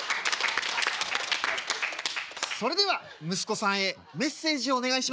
「それでは息子さんへメッセージをお願いします」。